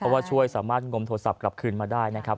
เพราะว่าช่วยสามารถงมโทรศัพท์กลับคืนมาได้นะครับ